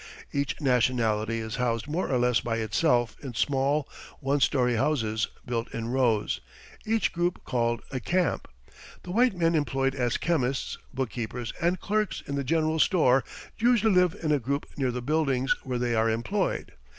Each nationality is housed more or less by itself in small, one story houses built in rows, each group called a camp. The white men employed as chemists, bookkeepers and clerks in the general store usually live in a group near the buildings where they are employed.